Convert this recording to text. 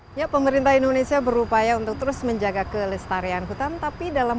hai ya pemerintah indonesia berupaya untuk terus menjaga kelestarian hutan tapi dalam